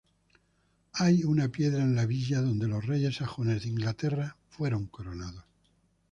Hay una piedra en la villa donde los reyes sajones de Inglaterra fueron coronados.